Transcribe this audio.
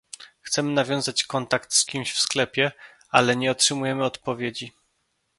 Chcemy nawiązać kontakt z kimś w sklepie, ale nie otrzymujemy odpowiedzi